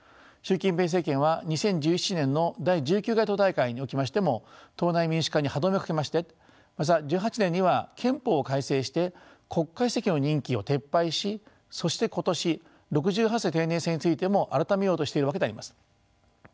習近平政権は２０１７年の第１９回党大会におきましても党内民主化に歯止めをかけましてまた１８年には憲法を改正して国家主席の任期を撤廃しそして今年６８歳定年制についても改めようとしているわけであります。